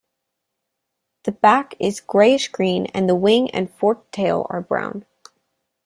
The back is grayish-green, and the wing and forked tail are brown.